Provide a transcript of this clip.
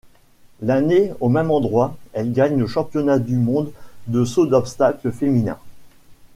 L'année, au même endroit, elle gagne le championnat du monde de saut d'obstacles féminin.